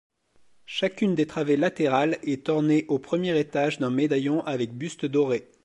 Chacune des travées latérales est ornée au premier étage d'un médaillon avec buste doré.